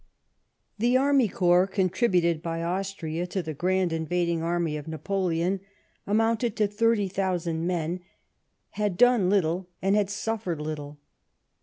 The army corps, contributed by Austria to the grand invading army of Napoleon, amounting to 30,000 men, had done little, and had suffered little.